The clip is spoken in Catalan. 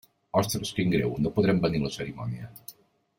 Ostres, quin greu, no podrem venir a la cerimònia.